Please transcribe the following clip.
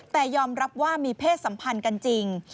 แต่ยอมรับว่ามีเพศสัมพันธ์กันจริง